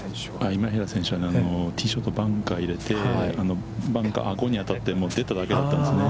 今平選手はティーショットバンカー入れて、バンカーのアゴに当たって、出ただけだったんですね。